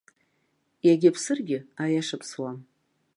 Иагьа ԥсыргьы, аиаша ԥсуам.